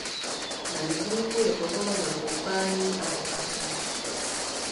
Na rybníku je povoleno koupání a rybaření.